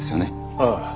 ああ。